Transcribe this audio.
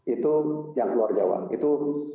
itu yang luar jawa itu